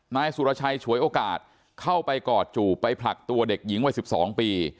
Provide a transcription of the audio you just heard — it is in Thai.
นายสุรชัยฉวยโอกาสเข้าไปกอดจูบไปผลักตัวเด็กหญิงวัย๑๒ปี